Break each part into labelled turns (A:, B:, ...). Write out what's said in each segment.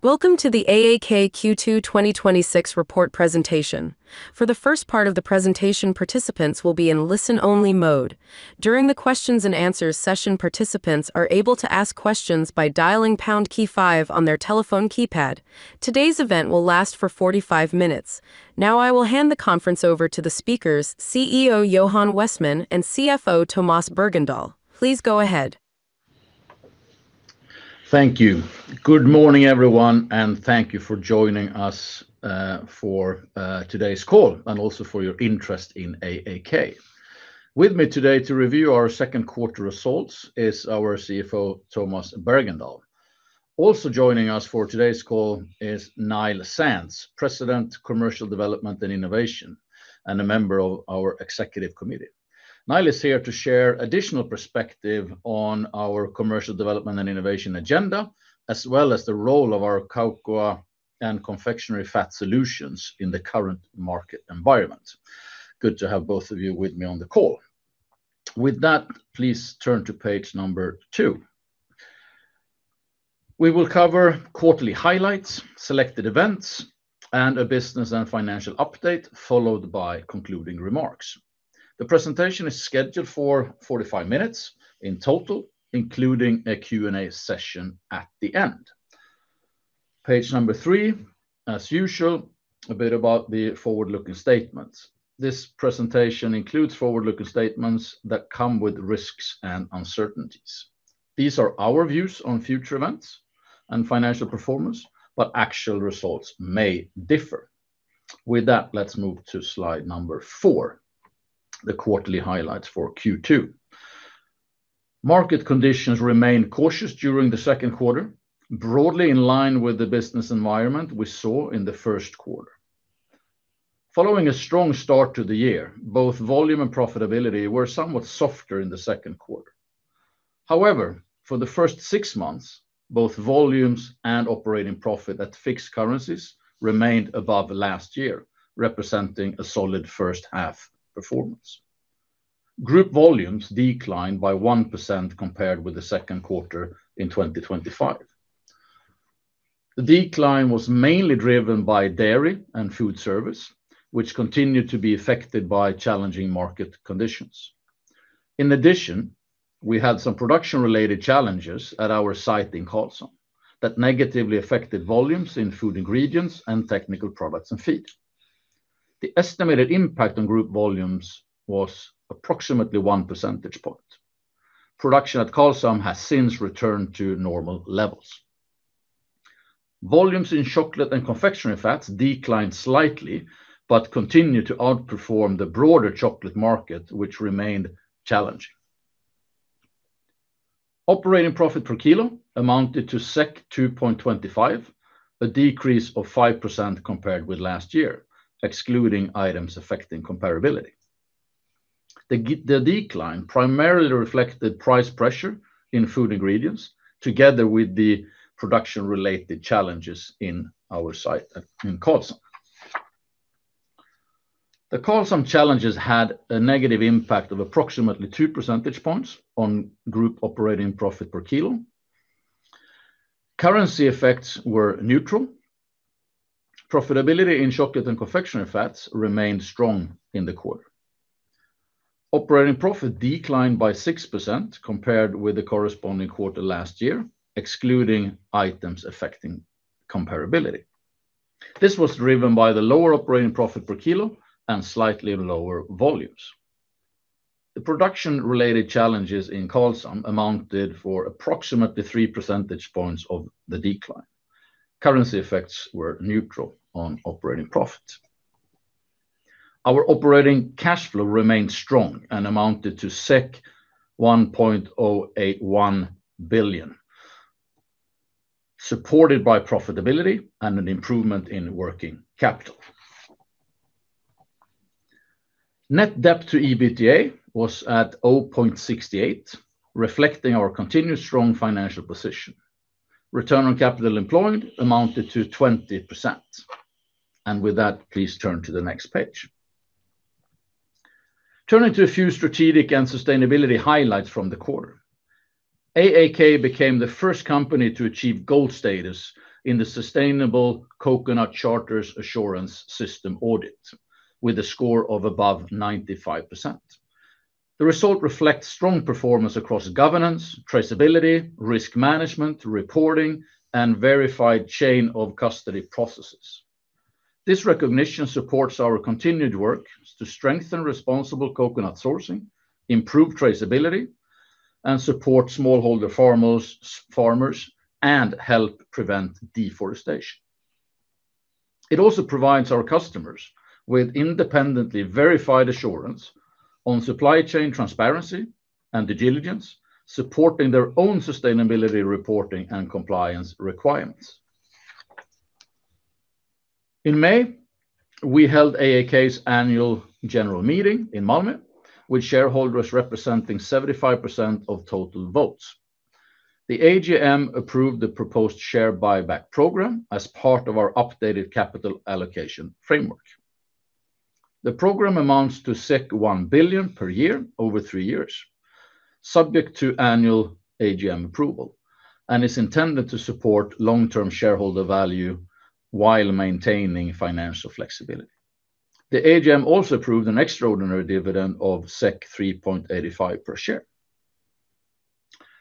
A: Welcome to the AAK Q2 2026 report presentation. For the first part of the presentation, participants will be in listen-only mode. During the questions and answers session, participants are able to ask questions by dialing pound key five on their telephone keypad. Today's event will last for 45 minutes. I will hand the conference over to the speakers, CEO Johan Westman and CFO Tomas Bergendahl. Please go ahead.
B: Thank you. Good morning, everyone, and thank you for joining us for today's call and also for your interest in AAK. With me today to review our second quarter results is our CFO, Tomas Bergendahl. Also joining us for today's call is Niall Sands, President, Commercial Development and Innovation, and a member of our executive committee. Niall is here to share additional perspective on our commercial development and innovation agenda, as well as the role of our cocoa and confectionery fat solutions in the current market environment. Good to have both of you with me on the call. With that, please turn to page number two. We will cover quarterly highlights, selected events, and a business and financial update, followed by concluding remarks. The presentation is scheduled for 45 minutes in total, including a Q&A session at the end. Page number three, as usual, a bit about the forward-looking statements. This presentation includes forward-looking statements that come with risks and uncertainties. These are our views on future events and financial performance, but actual results may differ. With that, let's move to slide number four, the quarterly highlights for Q2. Market conditions remained cautious during the second quarter, broadly in line with the business environment we saw in the first quarter. Following a strong start to the year, both volume and profitability were somewhat softer in the second quarter. However, for the first six months, both volumes and operating profit at fixed currencies remained above last year, representing a solid first half performance. Group volumes declined by 1% compared with the second quarter in 2025. The decline was mainly driven by dairy and food service, which continued to be affected by challenging market conditions. In addition, we had some production-related challenges at our site in Karlshamn that negatively affected volumes in Food Ingredients and Technical Products & Feed. The estimated impact on group volumes was approximately 1 percentage point. Production at Karlshamn has since returned to normal levels. Volumes in Chocolate & Confectionery Fats declined slightly but continue to outperform the broader chocolate market, which remained challenging. Operating profit per kilo amounted to 2.25, a decrease of 5% compared with last year, excluding items affecting comparability. The decline primarily reflected price pressure in Food Ingredients, together with the production-related challenges in our site in Karlshamn. The Karlshamn challenges had a negative impact of approximately 2 percentage points on group operating profit per kilo. Currency effects were neutral. Profitability in Chocolate & Confectionery Fats remained strong in the quarter. Operating profit declined by 6% compared with the corresponding quarter last year, excluding items affecting comparability. This was driven by the lower operating profit per kilo and slightly lower volumes. The production-related challenges in Karlshamn amounted for approximately three percentage points of the decline. Currency effects were neutral on operating profit. Our operating cash flow remained strong and amounted to 1.081 billion, supported by profitability and an improvement in working capital. Net debt to EBITDA was at 0.68, reflecting our continued strong financial position. Return on capital employed amounted to 20%. With that, please turn to the next page. Turning to a few strategic and sustainability highlights from the quarter. AAK became the first company to achieve gold status in the Sustainable Coconut Charter's Assurance System audit with a score of above 95%. The result reflects strong performance across governance, traceability, risk management, reporting, and verified chain of custody processes. This recognition supports our continued work to strengthen responsible coconut sourcing, improve traceability, and support smallholder farmers, and help prevent deforestation. It also provides our customers with independently verified assurance on supply chain transparency and due diligence, supporting their own sustainability reporting and compliance requirements. In May, we held AAK's annual general meeting in Malmö, with shareholders representing 75% of total votes. The AGM approved the proposed share buyback program as part of our updated capital allocation framework. The program amounts to 1 billion per year over three years, subject to annual AGM approval, and is intended to support long-term shareholder value while maintaining financial flexibility. The AGM also approved an extraordinary dividend of 3.85 per share.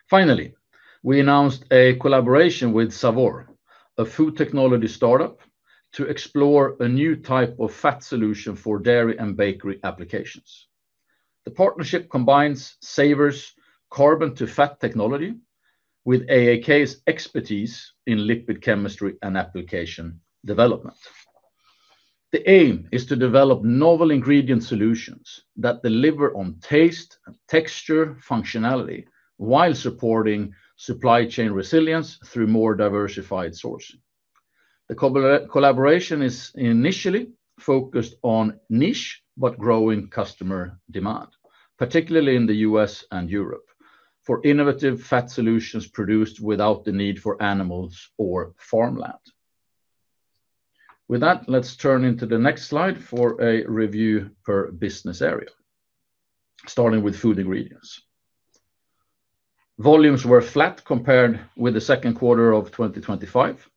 B: Finally, we announced a collaboration with Savor, a food technology startup, to explore a new type of fat solution for dairy and bakery applications. The partnership combines Savor's carbon-to-fat technology with AAK's expertise in liquid chemistry and application development. The aim is to develop novel ingredient solutions that deliver on taste, texture, functionality, while supporting supply chain resilience through more diversified sourcing. The collaboration is initially focused on niche but growing customer demand, particularly in the U.S. and Europe, for innovative fat solutions produced without the need for animals or farmland. With that, let's turn into the next slide for a review per business area, starting with Food Ingredients. Volumes were flat compared with the second quarter of 2025,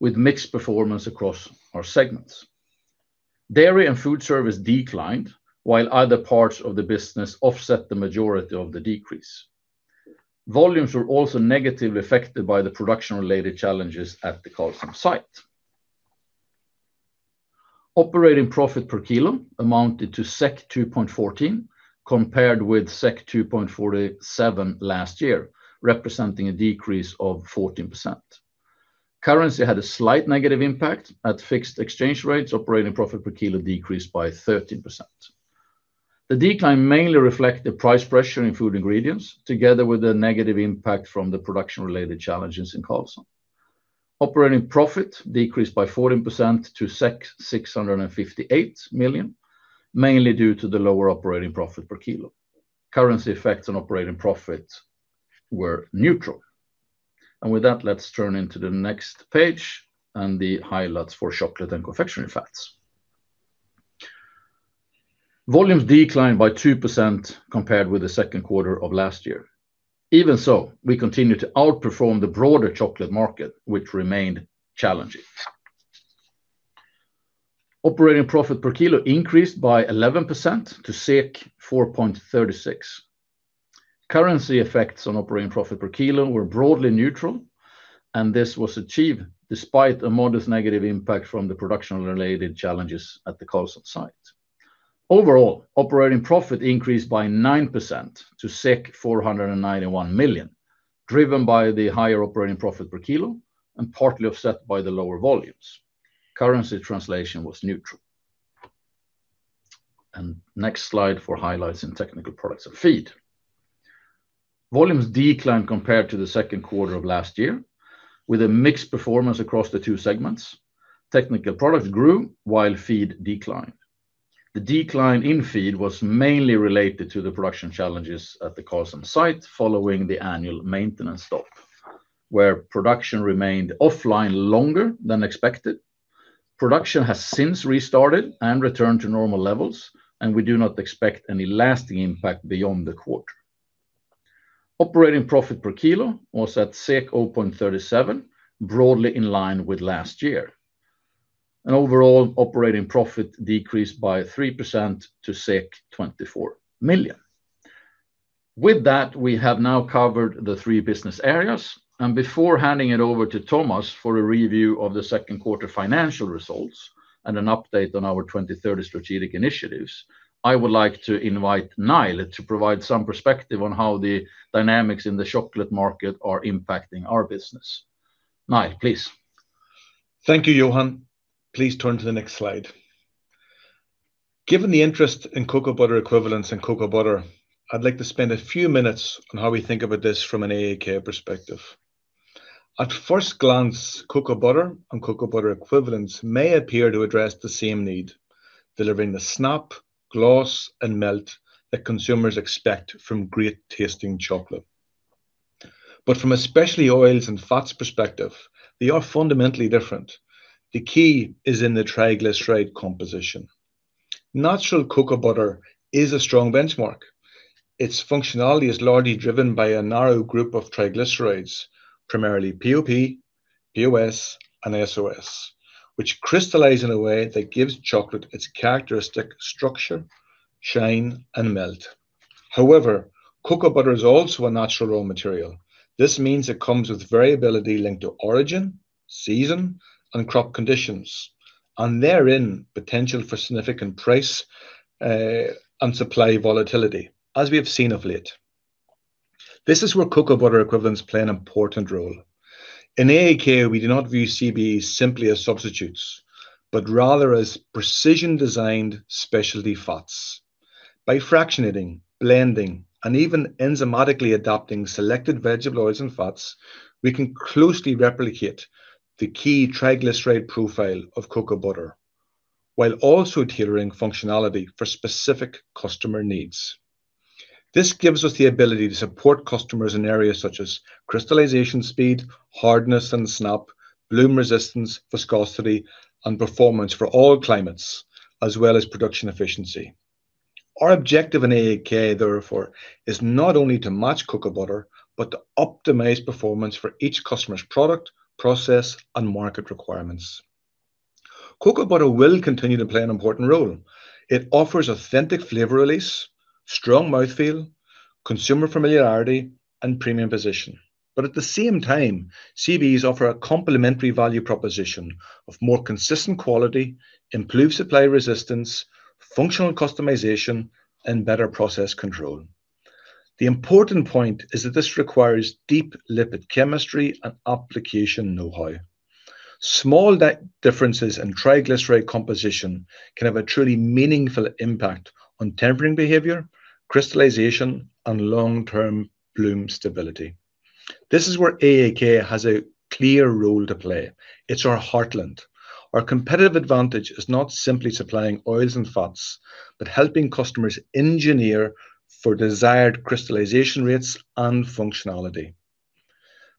B: with mixed performance across our segments. Dairy and food service declined, while other parts of the business offset the majority of the decrease. Volumes were also negatively affected by the production-related challenges at the Karlshamn site. Operating profit per kilo amounted to 2.14, compared with 2.47 last year, representing a decrease of 14%. Currency had a slight negative impact. At fixed exchange rates, operating profit per kilo decreased by 13%. The decline mainly reflect the price pressure in Food Ingredients, together with the negative impact from the production-related challenges in Karlshamn. Operating profit decreased by 14% to 658 million, mainly due to the lower operating profit per kilo. Currency effects on operating profit were neutral. With that, let's turn into the next page and the highlights for Chocolate & Confectionery Fats. Volumes declined by 2% compared with the second quarter of last year. Even so, we continue to outperform the broader chocolate market, which remained challenging. Operating profit per kilo increased by 11% to 4.36. Currency effects on operating profit per kilo were broadly neutral. This was achieved despite a modest negative impact from the production-related challenges at the Karlshamn site. Overall, operating profit increased by 9% to 491 million, driven by the higher operating profit per kilo and partly offset by the lower volumes. Currency translation was neutral. Next slide for highlights in Technical Products & Feed. Volumes declined compared to the second quarter of last year, with a mixed performance across the two segments. Technical Products grew while Feed declined. The decline in Feed was mainly related to the production challenges at the Karlshamn site following the annual maintenance stop, where production remained offline longer than expected. Production has since restarted and returned to normal levels. We do not expect any lasting impact beyond the quarter. Operating profit per kilo was at 0.37, broadly in line with last year. Overall operating profit decreased by 3% to 24 million. With that, we have now covered the three business areas. Before handing it over to Tomas for a review of the second quarter financial results and an update on our 2030 strategic initiatives, I would like to invite Niall to provide some perspective on how the dynamics in the chocolate market are impacting our business. Niall, please.
C: Thank you, Johan. Please turn to the next slide. Given the interest in Cocoa Butter Equivalents and cocoa butter, I would like to spend a few minutes on how we think about this from an AAK perspective. At first glance, cocoa butter and Cocoa Butter Equivalents may appear to address the same need, delivering the snap, gloss, and melt that consumers expect from great-tasting chocolate. From a specialty oils and fats perspective, they are fundamentally different. The key is in the triglyceride composition. Natural cocoa butter is a strong benchmark. Its functionality is largely driven by a narrow group of triglycerides, primarily POP, POS, and SOS, which crystallize in a way that gives chocolate its characteristic structure, shine, and melt. Cocoa butter is also a natural raw material. This means it comes with variability linked to origin, season, and crop conditions, and therein, potential for significant price and supply volatility, as we have seen of late. This is where Cocoa Butter Equivalents play an important role. In AAK, we do not view CBEs simply as substitutes, but rather as precision-designed specialty fats. By fractionating, blending, and even enzymatically adapting selected vegetable oils and fats, we can closely replicate the key triglyceride profile of cocoa butter, while also tailoring functionality for specific customer needs. This gives us the ability to support customers in areas such as crystallization speed, hardness and snap, bloom resistance, viscosity, and performance for all climates, as well as production efficiency. Our objective in AAK, therefore, is not only to match cocoa butter, but to optimize performance for each customer's product, process, and market requirements. Cocoa butter will continue to play an important role. It offers authentic flavor release, strong mouthfeel, consumer familiarity, and premium position. At the same time, CBEs offer a complementary value proposition of more consistent quality, improved supply resistance, functional customization, and better process control. The important point is that this requires deep lipid chemistry and application know-how. Small differences in triglyceride composition can have a truly meaningful impact on tempering behavior, crystallization, and long-term bloom stability. This is where AAK has a clear role to play. It's our heartland. Our competitive advantage is not simply supplying oils and fats, but helping customers engineer for desired crystallization rates and functionality.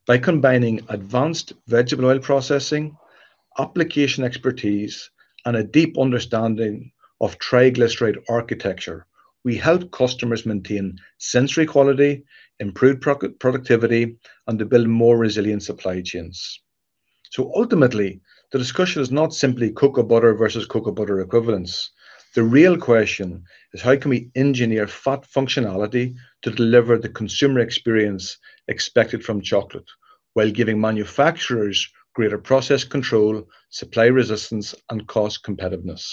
C: By combining advanced vegetable oil processing, application expertise, and a deep understanding of triglyceride architecture, we help customers maintain sensory quality, improve productivity, and to build more resilient supply chains. Ultimately, the discussion is not simply cocoa butter versus cocoa butter equivalents. The real question is: how can we engineer fat functionality to deliver the consumer experience expected from chocolate while giving manufacturers greater process control, supply resistance, and cost competitiveness?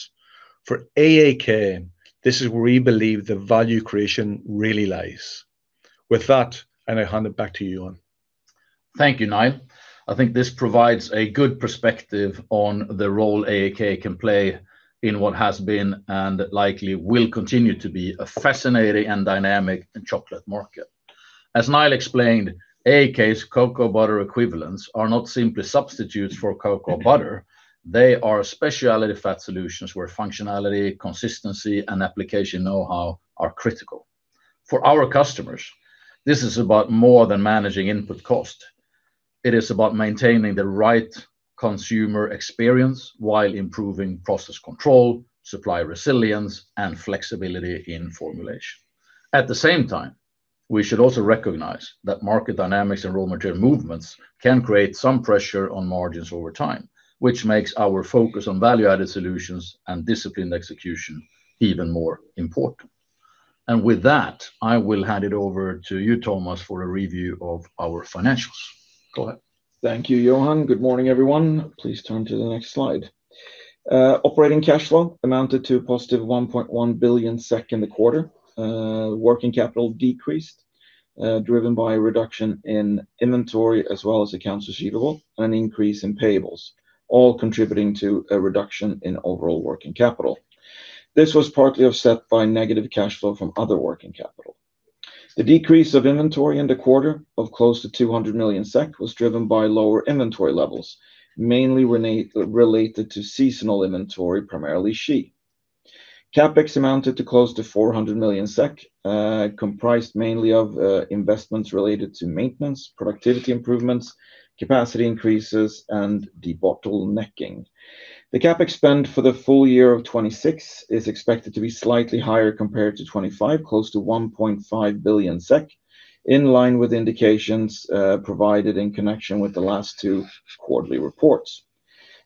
C: For AAK, this is where we believe the value creation really lies. With that, I hand it back to you, Johan.
B: Thank you, Niall. I think this provides a good perspective on the role AAK can play in what has been, and likely will continue to be, a fascinating and dynamic chocolate market. As Niall explained, AAK's Cocoa Butter Equivalents are not simply substitutes for cocoa butter. They are specialty fat solutions where functionality, consistency, and application know-how are critical. For our customers, this is about more than managing input cost. It is about maintaining the right consumer experience while improving process control, supply resilience, and flexibility in formulation. At the same time, we should also recognize that market dynamics and raw material movements can create some pressure on margins over time, which makes our focus on value-added solutions and disciplined execution even more important. With that, I will hand it over to you, Tomas, for a review of our financials. Go ahead.
D: Thank you, Johan. Good morning, everyone. Please turn to the next slide. Operating cash flow amounted to positive 1.1 billion SEK in the quarter. Working capital decreased, driven by a reduction in inventory as well as accounts receivable, and an increase in payables, all contributing to a reduction in overall working capital. This was partly offset by negative cash flow from other working capital. The decrease of inventory in the quarter of close to 200 million SEK was driven by lower inventory levels, mainly related to seasonal inventory, primarily shea. CapEx amounted to close to 400 million SEK, comprised mainly of investments related to maintenance, productivity improvements, capacity increases, and debottlenecking. The CapEx spend for the full year of 2026 is expected to be slightly higher compared to 2025, close to 1.5 billion SEK. In line with indications provided in connection with the last two quarterly reports.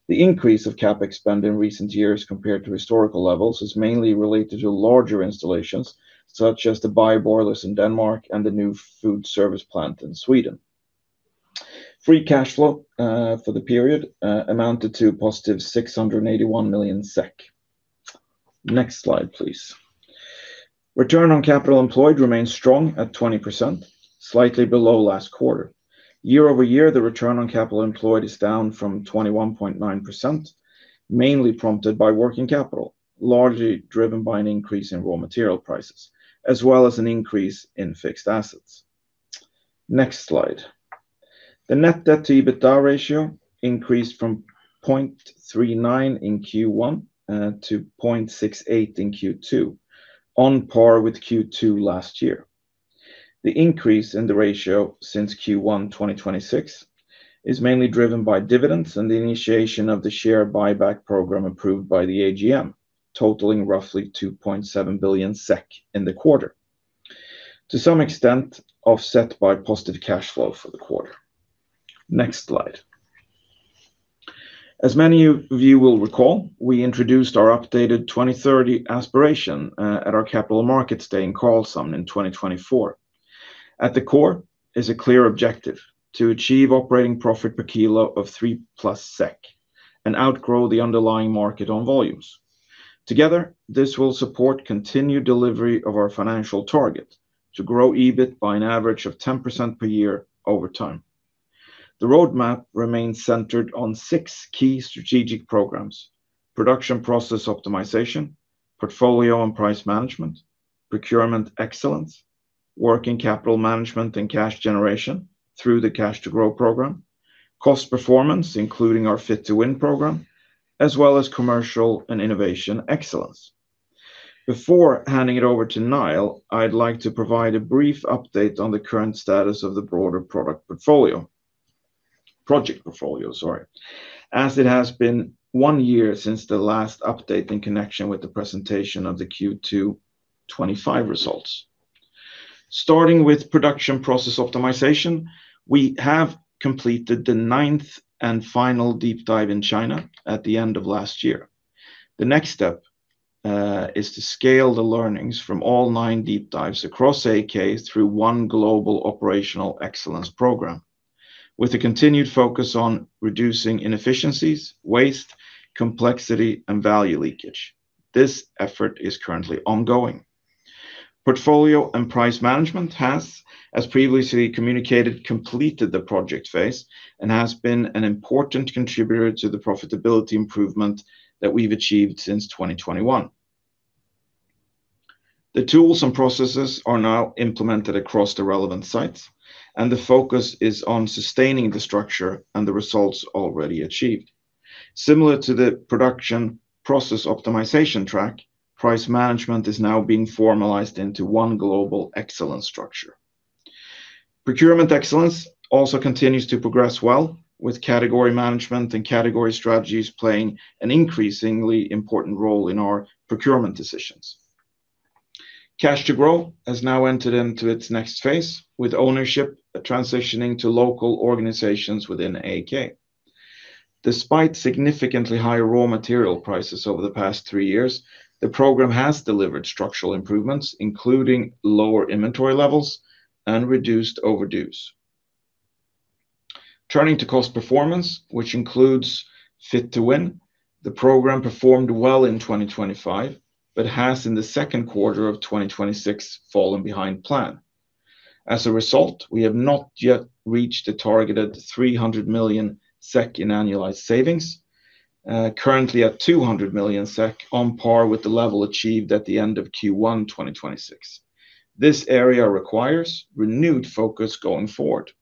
D: The increase of CapEx spend in recent years compared to historical levels is mainly related to larger installations such as the bioboilers in Denmark and the new food service plant in Sweden. Free cash flow for the period amounted to positive 681 million SEK. Next slide, please. Return on capital employed remains strong at 20%, slightly below last quarter. Year-over-year, the return on capital employed is down from 21.9%, mainly prompted by working capital, largely driven by an increase in raw material prices, as well as an increase in fixed assets. Next slide. The net debt to EBITDA ratio increased from 0.39 in Q1 to 0.68 in Q2, on par with Q2 last year. The increase in the ratio since Q1 2026 is mainly driven by dividends and the initiation of the share buyback program approved by the AGM, totaling roughly 2.7 billion SEK in the quarter, to some extent offset by positive cash flow for the quarter. Next slide. As many of you will recall, we introduced our updated 2030 aspiration at our Capital Markets Day in Karlshamn in 2024. At the core is a clear objective: to achieve operating profit per kilo of 3-plus SEK and outgrow the underlying market on volumes. Together, this will support continued delivery of our financial target to grow EBIT by an average of 10% per year over time. The roadmap remains centered on six key strategic programs: Production Process Optimization, Portfolio and Price Management, Procurement Excellence, Working Capital Management and cash generation through the Cash to Grow program, Cost Performance, including our Fit to Win program, as well as Commercial and Innovation Excellence. Before handing it over to Niall, I'd like to provide a brief update on the current status of the broader product portfolio. Project portfolio, sorry. As it has been one year since the last update in connection with the presentation of the Q2 2025 results. Starting with Production Process Optimization, we have completed the ninth and final deep dive in China at the end of last year. The next step is to scale the learnings from all nine deep dives across AAK through one global operational excellence program. With a continued focus on reducing inefficiencies, waste, complexity, and value leakage. This effort is currently ongoing. Portfolio and Price Management has, as previously communicated, completed the project phase and has been an important contributor to the profitability improvement that we've achieved since 2021. The tools and processes are now implemented across the relevant sites. The focus is on sustaining the structure and the results already achieved. Similar to the Production Process Optimization track, Price Management is now being formalized into one global excellence structure. Procurement Excellence also continues to progress well with category management and category strategies playing an increasingly important role in our procurement decisions. Cash to Grow has now entered into its next phase, with ownership transitioning to local organizations within AAK. Despite significantly higher raw material prices over the past three years, the program has delivered structural improvements, including lower inventory levels and reduced overdue. Turning to cost performance, which includes Fit to Win, the program performed well in 2025 but has, in the second quarter of 2026, fallen behind plan. As a result, we have not yet reached the targeted 300 million SEK in annualized savings. Currently at 200 million SEK, on par with the level achieved at the end of Q1 2026. This area requires renewed focus going forward.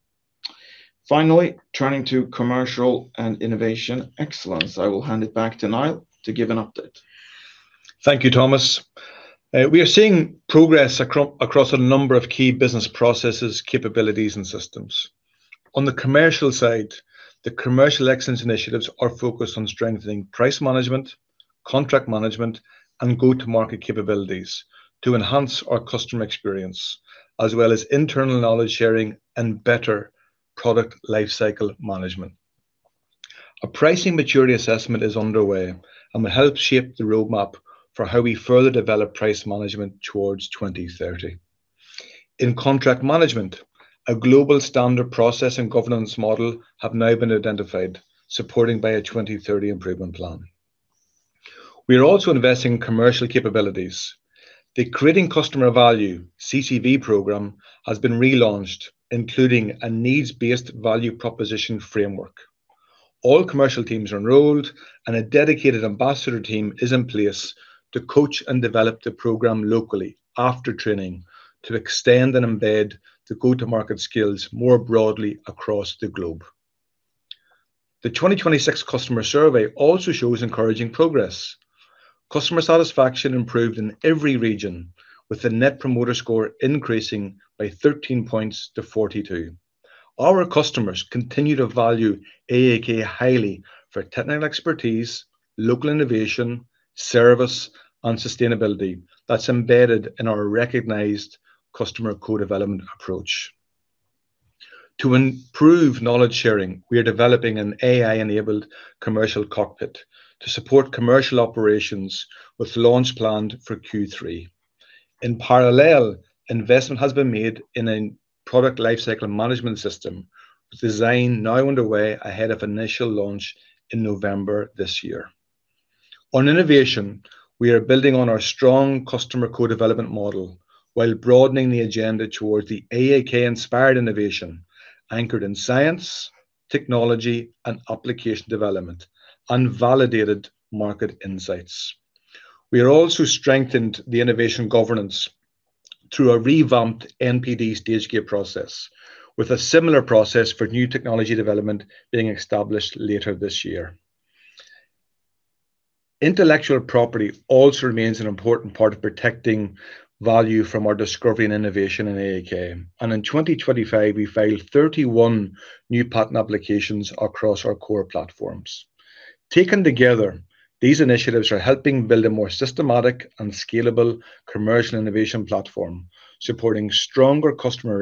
D: Finally, turning to commercial and innovation excellence. I will hand it back to Niall to give an update.
C: Thank you, Tomas. We are seeing progress across a number of key business processes, capabilities, and systems. On the commercial side, the commercial excellence initiatives are focused on strengthening price management, contract management, and go-to-market capabilities to enhance our customer experience. As well as internal knowledge-sharing and better product life cycle management. A pricing maturity assessment is underway and will help shape the roadmap for how we further develop price management towards 2030. In contract management, a global standard process and governance model have now been identified, supported by a 2030 improvement plan. We are also investing in commercial capabilities. The Creating Customer Value, CCV, program has been relaunched, including a needs-based value proposition framework. All commercial teams are enrolled, and a dedicated ambassador team is in place to coach and develop the program locally after training to extend and embed the go-to-market skills more broadly across the globe. The 2026 customer survey also shows encouraging progress. Customer satisfaction improved in every region, with the net promoter score increasing by 13 points to 42. Our customers continue to value AAK highly for technical expertise, local innovation, service, and sustainability that's embedded in our recognized customer co-development approach. To improve knowledge-sharing, we are developing an AI-enabled commercial cockpit to support commercial operations with launch planned for Q3. In parallel, investment has been made in a product life cycle management system, with design now underway ahead of initial launch in November this year. On innovation, we are building on our strong customer co-development model while broadening the agenda towards the AAK-inspired innovation anchored in science, technology, and application development and validated market insights. We have also strengthened the innovation governance through a revamped NPD stage gate process, with a similar process for new technology development being established later this year. Intellectual property also remains an important part of protecting value from our discovery and innovation in AAK. In 2025, we filed 31 new patent applications across our core platforms. Taken together, these initiatives are helping build a more systematic and scalable commercial innovation platform, supporting stronger customer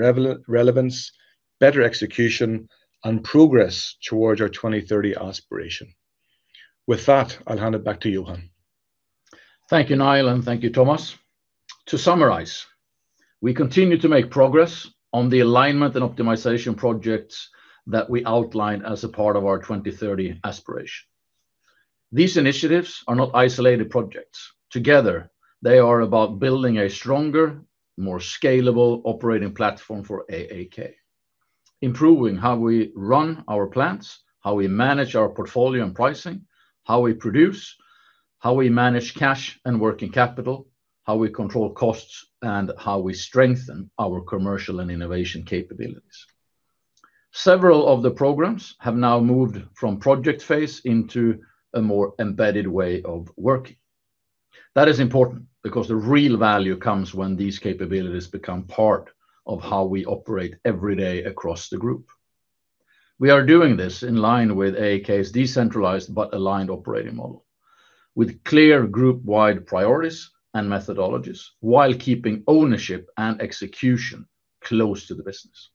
C: relevance, better execution, and progress towards our 2030 aspiration. With that, I'll hand it back to Johan.
B: Thank you, Niall. Thank you, Tomas. To summarize, we continue to make progress on the alignment and optimization projects that we outlined as a part of our 2030 aspiration. These initiatives are not isolated projects. Together, they are about building a stronger, more scalable operating platform for AAK. Improving how we run our plants, how we manage our portfolio and pricing, how we produce, how we manage cash and working capital, how we control costs, and how we strengthen our commercial and innovation capabilities. Several of the programs have now moved from project phase into a more embedded way of working. That is important because the real value comes when these capabilities become part of how we operate every day across the group. We are doing this in line with AAK's decentralized but aligned operating model with clear group-wide priorities and methodologies while keeping ownership and execution close to the business.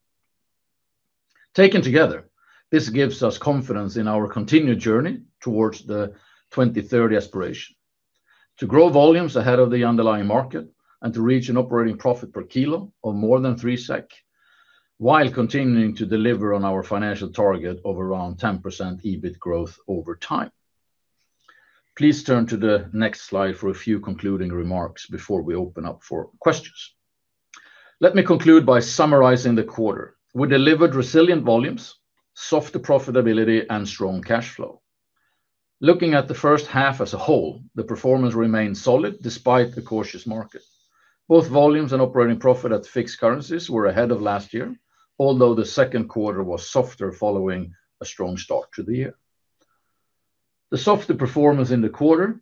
B: Taken together, this gives us confidence in our continued journey towards the 2030 aspiration to grow volumes ahead of the underlying market and to reach an operating profit per kilo of more than three SEK, while continuing to deliver on our financial target of around 10% EBIT growth over time. Please turn to the next slide for a few concluding remarks before we open up for questions. Let me conclude by summarizing the quarter. We delivered resilient volumes, softer profitability, and strong cash flow. Looking at the first half as a whole, the performance remained solid despite the cautious market. Both volumes and operating profit at fixed currencies were ahead of last year, although the second quarter was softer following a strong start to the year. The softer performance in the quarter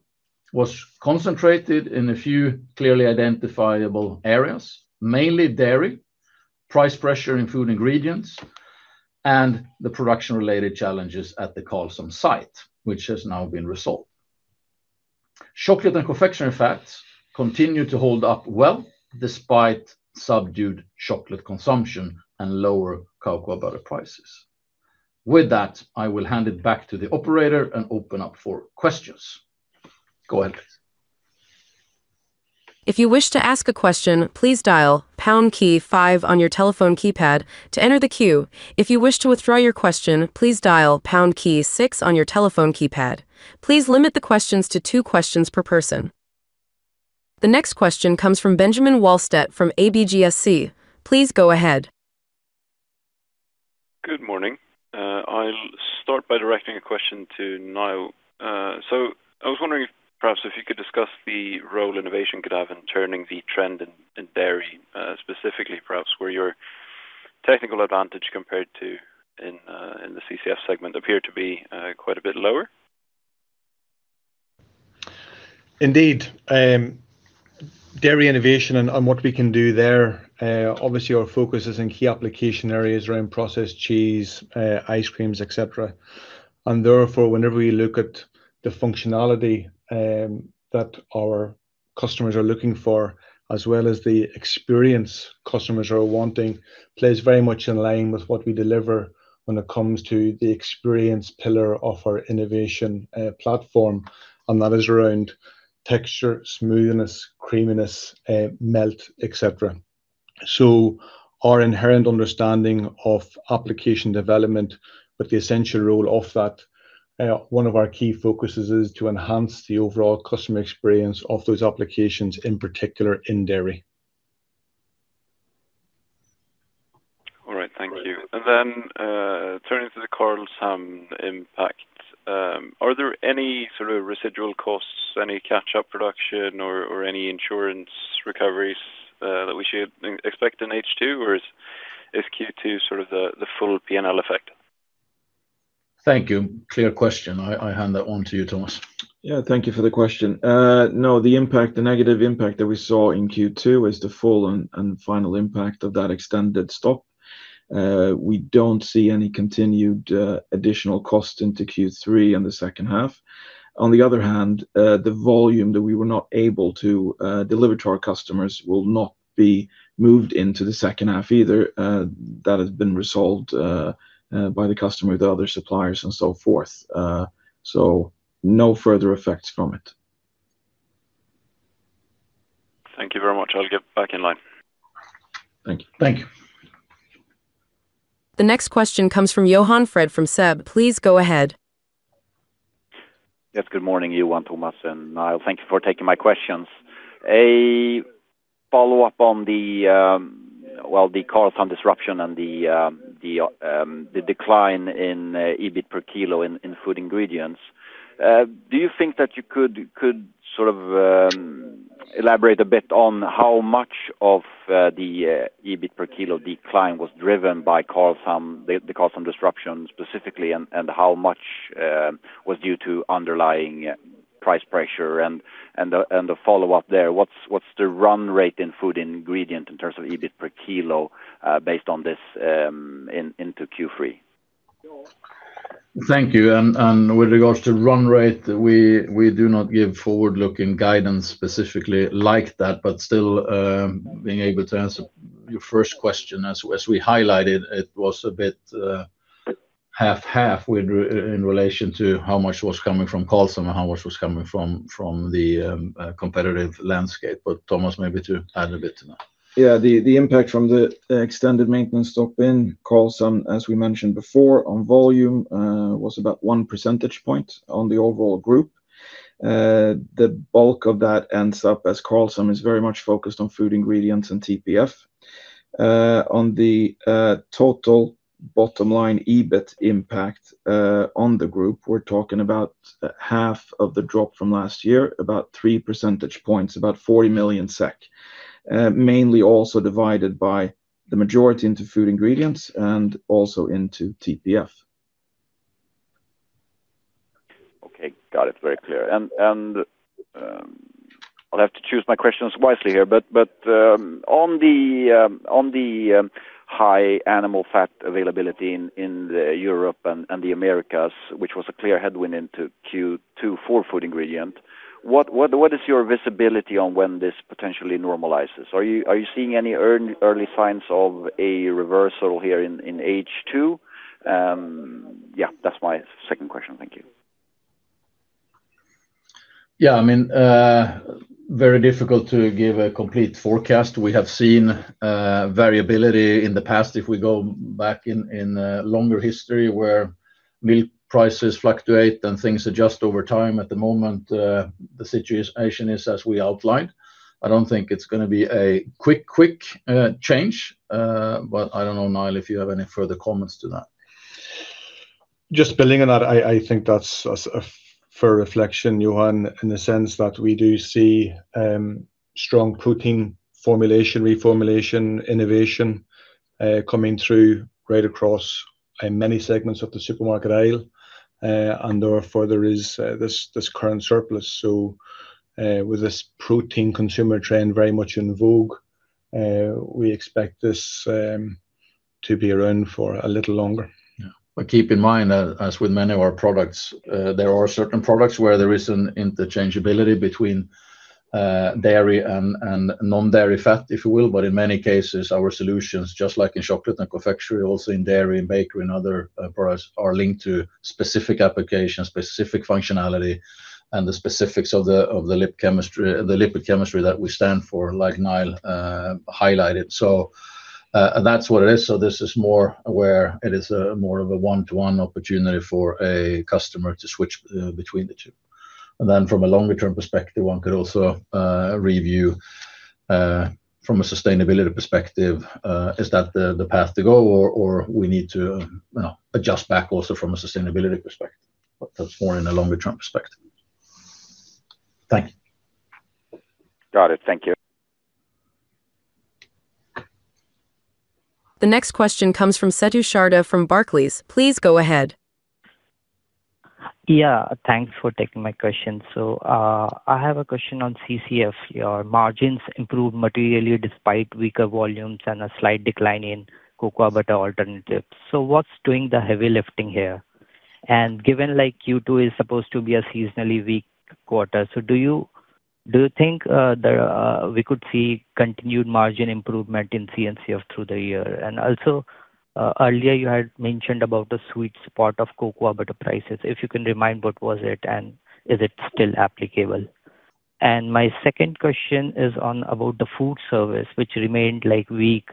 B: was concentrated in a few clearly identifiable areas, mainly dairy, price pressure in Food Ingredients, and the production-related challenges at the Karlshamn site, which has now been resolved. Chocolate & Confectionery Fats continue to hold up well despite subdued chocolate consumption and lower cocoa butter prices. With that, I will hand it back to the operator and open up for questions. Go ahead.
A: If you wish to ask a question, please dial pound key five on your telephone keypad to enter the queue. If you wish to withdraw your question, please dial pound key 6 on your telephone keypad. Please limit the questions to two questions per person. The next question comes from Benjamin Wahlstedt from ABGSC. Please go ahead.
E: Good morning. I'll start by directing a question to Niall. I was wondering if perhaps if you could discuss the role innovation could have in turning the trend in dairy, specifically perhaps where your technical advantage compared to in the CCF segment appeared to be quite a bit lower.
C: Indeed. Dairy innovation and on what we can do there, obviously our focus is in key application areas around processed cheese, ice creams, et cetera. Therefore, whenever we look at the functionality that our customers are looking for, as well as the experience customers are wanting, plays very much in line with what we deliver when it comes to the experience pillar of our innovation platform. That is around texture, smoothness, creaminess, melt, et cetera. Our inherent understanding of application development with the essential role of that, one of our key focuses is to enhance the overall customer experience of those applications, in particular in dairy.
E: All right. Thank you. Turning to the Karlshamn impact, are there any sort of residual costs, any catch-up production or any insurance recoveries that we should expect in H2, or is Q2 the full P&L effect?
B: Thank you. Clear question. I hand that on to you, Tomas.
D: Yeah, thank you for the question. The negative impact that we saw in Q2 is the full and final impact of that extended stop. We don't see any continued additional cost into Q3 in the second half. On the other hand, the volume that we were not able to deliver to our customers will not be moved into the second half either. That has been resolved by the customer with the other suppliers and so forth. No further effects from it.
E: Thank you very much. I'll get back in line.
B: Thank you.
D: Thanks.
A: The next question comes from Johan Fred from SEB. Please go ahead.
F: Yes. Good morning, Johan, Tomas, and Niall. Thank you for taking my questions. A follow-up on the Karlshamn disruption and the decline in EBIT per kilo in Food Ingredients. Do you think that you could elaborate a bit on how much of the EBIT per kilo decline was driven by the Karlshamn disruption specifically, and how much was due to underlying price pressure? The follow-up there, what's the run rate in Food Ingredients in terms of EBIT per kilo based on this into Q3?
B: Thank you. With regards to run rate, we do not give forward-looking guidance specifically like that, but still, being able to answer your first question, as we highlighted, it was a bit half-half in relation to how much was coming from Karlshamn and how much was coming from the competitive landscape. Tomas, maybe to add a bit to that.
D: The impact from the extended maintenance stop in Karlshamn, as we mentioned before, on volume, was about one percentage point on the overall group. The bulk of that ends up as Karlshamn is very much focused on Food Ingredients and TPF. On the total bottom-line EBIT impact on the group, we're talking about half of the drop from last year, about three percentage points, about 40 million SEK. Mainly also divided by the majority into Food Ingredients and also into TPF.
F: Okay. Got it. Very clear. I'll have to choose my questions wisely here. On the high animal fat availability in Europe and the Americas, which was a clear headwind into Q2 for Food Ingredients, what is your visibility on when this potentially normalizes? Are you seeing any early signs of a reversal here in H2? That's my second question. Thank you.
B: Very difficult to give a complete forecast. We have seen variability in the past if we go back in longer history where milk prices fluctuate and things adjust over time. At the moment, the situation is as we outlined. I don't think it's going to be a quick change. I don't know, Niall, if you have any further comments to that.
C: Just building on that, I think that's for reflection, Johan, in the sense that we do see strong protein formulation, reformulation, innovation coming through right across many segments of the supermarket aisle. Therefore, there is this current surplus. With this protein consumer trend very much in vogue, we expect this to be around for a little longer.
B: Yeah. Keep in mind, as with many of our products, there are certain products where there is an interchangeability between dairy and non-dairy fat, if you will. In many cases, our solutions, just like in chocolate and confectionery, also in dairy and bakery and other products, are linked to specific applications, specific functionality, and the specifics of the lipid chemistry that we stand for, like Niall highlighted. That's what it is. This is more where it is more of a one-to-one opportunity for a customer to switch between the two. From a longer-term perspective, one could also review from a sustainability perspective, is that the path to go or we need to adjust back also from a sustainability perspective. That's more in a longer-term perspective.
F: Got it. Thank you.
A: The next question comes from Setu Sharda from Barclays. Please go ahead.
G: Yeah. Thanks for taking my question. I have a question on CCF. Your margins improved materially despite weaker volumes and a slight decline in cocoa butter alternatives. What's doing the heavy lifting here? Given Q2 is supposed to be a seasonally weak quarter, do you think we could see continued margin improvement in CCF through the year? Also, earlier you had mentioned about the sweet spot of cocoa butter prices. If you can remind what was it and is it still applicable? My second question is about the food service, which remained weak,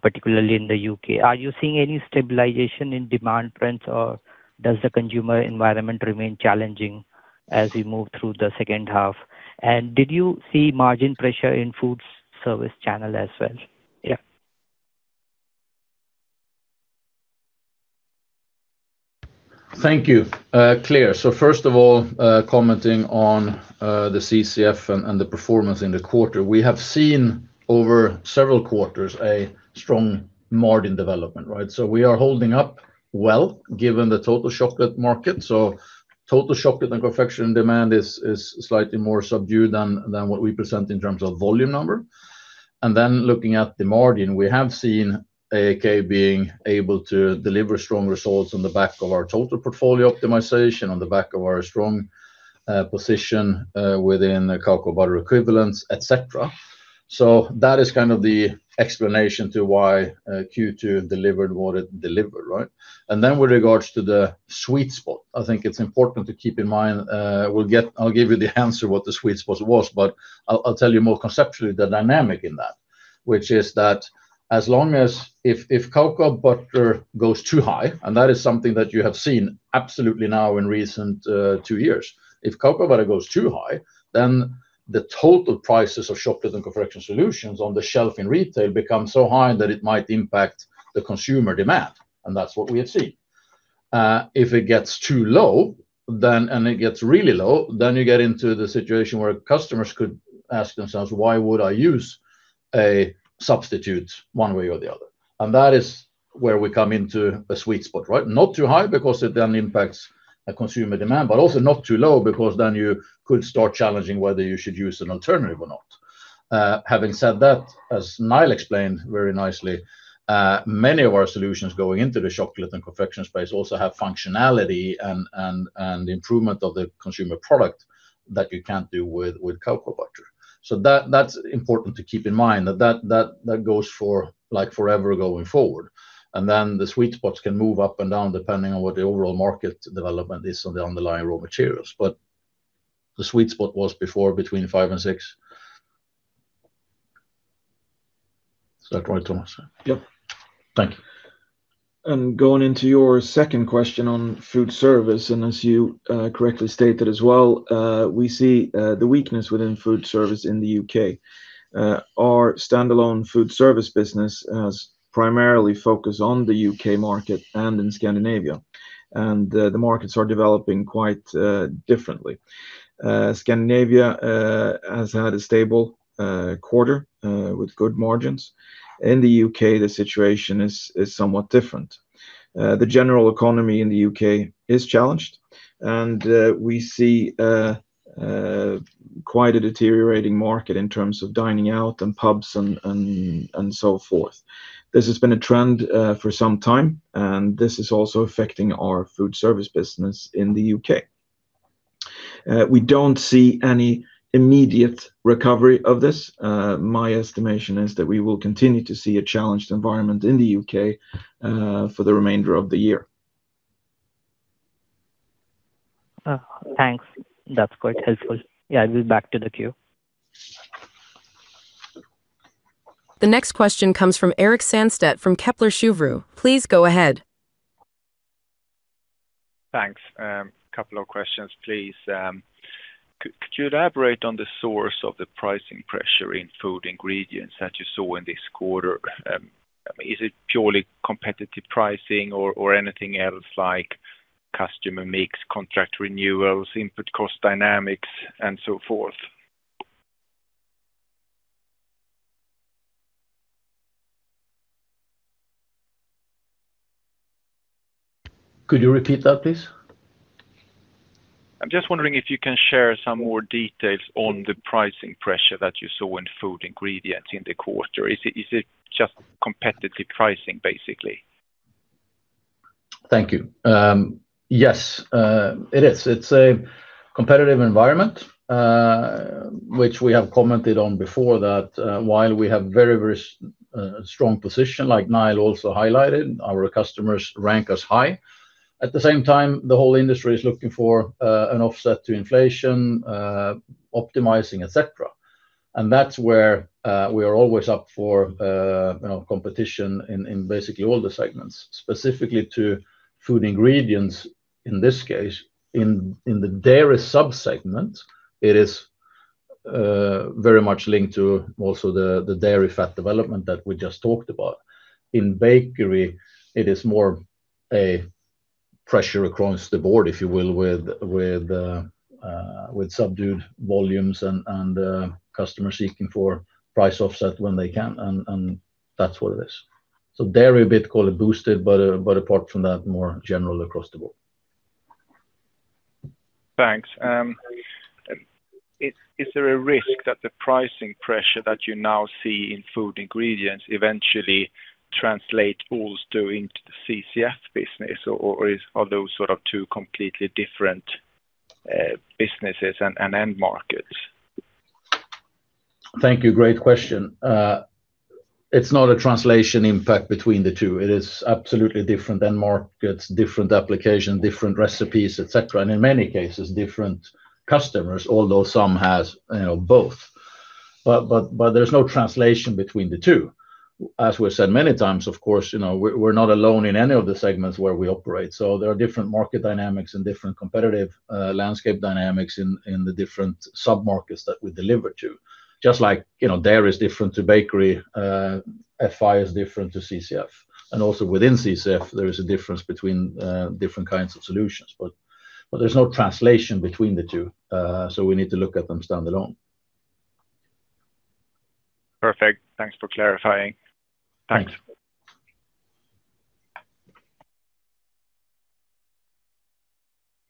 G: particularly in the U.K. Are you seeing any stabilization in demand trends, or does the consumer environment remain challenging as we move through the second half? Did you see margin pressure in food service channel as well?
B: Thank you. Clear. First of all, commenting on the CCF and the performance in the quarter. We have seen over several quarters a strong margin development, right? We are holding up well given the total chocolate market. Total chocolate and confection demand is slightly more subdued than what we present in terms of volume number. Looking at the margin, we have seen AAK being able to deliver strong results on the back of our total portfolio optimization, on the back of our strong position within the Cocoa Butter Equivalents, et cetera. That is kind of the explanation to why Q2 delivered what it delivered, right? With regards to the sweet spot, I think it's important to keep in mind, I'll give you the answer what the sweet spot was, but I'll tell you more conceptually the dynamic in that. If cocoa butter goes too high, that is something that you have seen absolutely now in recent two years. If cocoa butter goes too high, the total prices of chocolate and confection solutions on the shelf in retail become so high that it might impact the consumer demand, that's what we had seen. If it gets too low and it gets really low, you get into the situation where customers could ask themselves, "Why would I use a substitute one way or the other?" That is where we come into a sweet spot, right? Not too high because it then impacts consumer demand, but also not too low because then you could start challenging whether you should use an alternative or not. Having said that, as Niall explained very nicely, many of our solutions going into the chocolate and confection space also have functionality and improvement of the consumer product that you can't do with cocoa butter. That's important to keep in mind that that goes for like forever going forward. The sweet spots can move up and down depending on what the overall market development is on the underlying raw materials. The sweet spot was before between 5 and 6. Is that right, Tomas?
D: Yep.
B: Thank you.
D: Going into your second question on food service, as you correctly stated as well, we see the weakness within food service in the U.K. Our standalone food service business has primarily focused on the U.K. market and in Scandinavia, and the markets are developing quite differently. Scandinavia has had a stable quarter with good margins. In the U.K., the situation is somewhat different. The general economy in the U.K. is challenged, and we see quite a deteriorating market in terms of dining out and pubs and so forth. This has been a trend for some time, and this is also affecting our food service business in the U.K. We don't see any immediate recovery of this. My estimation is that we will continue to see a challenged environment in the U.K. for the remainder of the year.
G: Thanks. That's quite helpful. Yeah, I'll go back to the queue.
A: The next question comes from Erik Sandstedt from Kepler Cheuvreux. Please go ahead.
H: Thanks. A couple of questions, please. Could you elaborate on the source of the pricing pressure in Food Ingredients that you saw in this quarter? Is it purely competitive pricing or anything else like customer mix, contract renewals, input cost dynamics, and so forth?
B: Could you repeat that, please?
H: I'm just wondering if you can share some more details on the pricing pressure that you saw in Food Ingredients in the quarter. Is it just competitive pricing, basically?
B: Thank you. Yes, it is. It's a competitive environment, which we have commented on before that while we have very strong position, like Niall also highlighted, our customers rank us high. At the same time, the whole industry is looking for an offset to inflation, optimizing, et cetera. That's where we are always up for competition in basically all the segments. Specifically to Food Ingredients, in this case, in the dairy sub-segment, it is very much linked to also the dairy fat development that we just talked about. In bakery, it is more a pressure across the board, if you will, with subdued volumes and customers seeking for price offset when they can, and that's what it is. Dairy bit called a boosted, but apart from that, more general across the board.
H: Thanks. Is there a risk that the pricing pressure that you now see in Food Ingredients eventually translate also into the CCF business, or are those two completely different businesses and end markets?
B: Thank you. Great question. It's not a translation impact between the two. It is absolutely different end markets, different application, different recipes, et cetera, and in many cases, different customers, although some has both. There's no translation between the two. As we've said many times, of course, we're not alone in any of the segments where we operate. There are different market dynamics and different competitive landscape dynamics in the different sub-markets that we deliver to. Just like dairy is different to bakery, FI is different to CCF. Also within CCF, there is a difference between different kinds of solutions. There's no translation between the two, so we need to look at them standalone.
H: Perfect. Thanks for clarifying.
B: Thanks.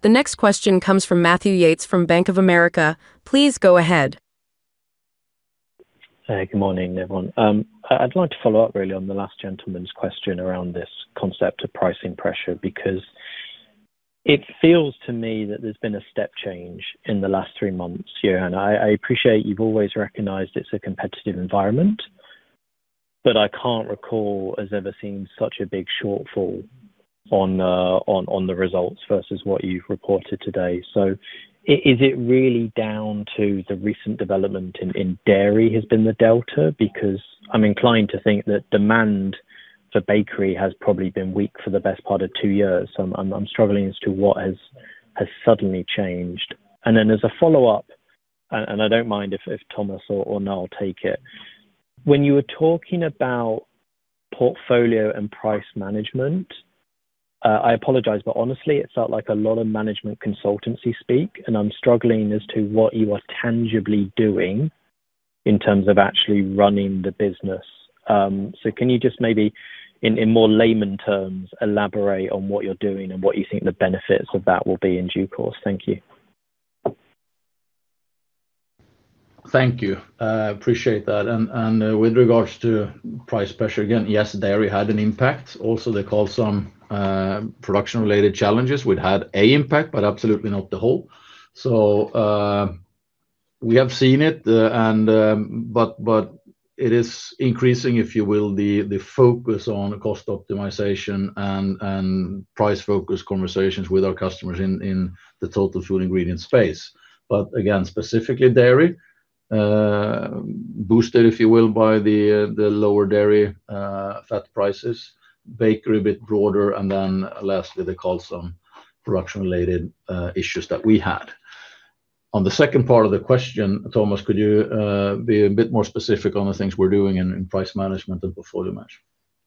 A: The next question comes from Matthew Yates from Bank of America. Please go ahead.
I: Good morning, everyone. I'd like to follow up really on the last gentleman's question around this concept of pricing pressure, because it feels to me that there's been a step change in the last three months. I appreciate you've always recognized it's a competitive environment, but I can't recall us ever seeing such a big shortfall on the results versus what you've reported today. Is it really down to the recent development in dairy has been the delta? I'm inclined to think that demand for bakery has probably been weak for the best part of two years. I'm struggling as to what has suddenly changed. As a follow-up, I don't mind if Tomas or Niall take it. When you were talking about portfolio and price management, I apologize, but honestly, it felt like a lot of management consultancy speak, and I'm struggling as to what you are tangibly doing in terms of actually running the business. Can you just maybe, in more layman's terms, elaborate on what you're doing and what you think the benefits of that will be in due course? Thank you.
B: Thank you. I appreciate that. With regards to price pressure again, yes, dairy had an impact. Also, some production-related challenges, which had an impact, but absolutely not the whole. We have seen it, but it is increasing, if you will, the focus on cost optimization and price-focused conversations with our customers in the total Food Ingredients space. Again, specifically dairy boosted, if you will, by the lower dairy fat prices, bakery a bit broader, and then lastly, the troublesome production-related issues that we had. On the second part of the question, Tomas, could you be a bit more specific on the things we're doing in price management and portfolio management?